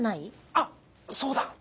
あっそうだ。